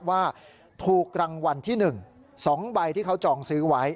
ว่าถูกรางวัลที่๑๒ใบที่เขาจองซื้อไว้